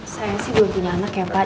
saya sih belum punya anak ya pak